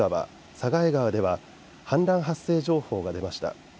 佐賀江川では氾濫発生情報が出ました。